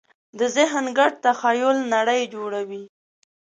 د ذهن ګډ تخیل نړۍ جوړوي.